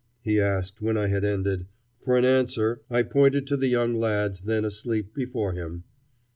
he asked when I had ended. For an answer I pointed to the young lads then asleep before him.